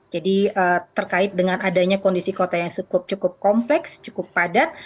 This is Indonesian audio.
jadi terkait dengan adanya kondisi kota yang cukup cukup kompleks cukup padat